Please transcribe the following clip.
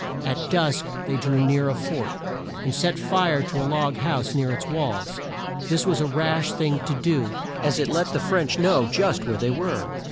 At dusk they drew near a fort, and set fire to a log house near its walls. This was a rash thing to do, as it let the French know just where they were.